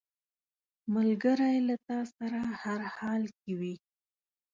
ملګری له تا سره هر حال کې وي